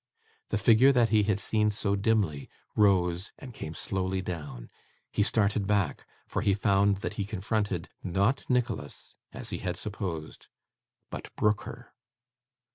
The figure that he had seen so dimly, rose, and came slowly down. He started back, for he found that he confronted not Nicholas, as he had supposed, but Brooker.